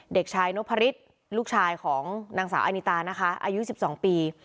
เด็กชายนพฤษลูกชายของนางสาวอานิตานะคะอายุ๑๒ปี